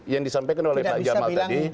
yang disampaikan oleh pak jamal tadi